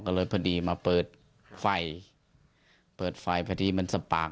ก็เลยพอดีมาเปิดไฟเปิดไฟพอดีมันสปาง